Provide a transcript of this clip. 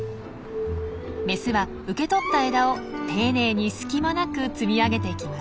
メスは受け取った枝を丁寧に隙間なく積み上げていきます。